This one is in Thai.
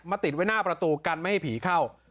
ติดไว้หน้าประตูกันไม่ให้ผีเข้า